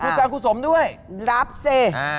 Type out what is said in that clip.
คุณสร้างคุณสมด้วยรับเซ